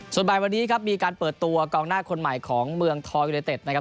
ส่วนบ่ายวันนี้ครับมีการเปิดตัวกองหน้าคนใหม่ของเมืองทองยูเนเต็ดนะครับ